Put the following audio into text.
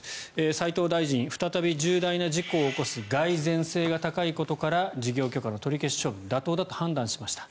斉藤大臣、再び重大な事故を起こす、がい然性が高いことから事業許可の取り消し処分が妥当だと判断しました。